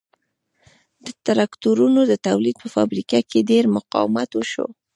د ترکتورونو د تولید په فابریکه کې ډېر مقاومت وشو